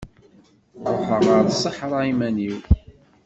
Ruḥeɣ ɣer ṣṣeḥra iman-iw.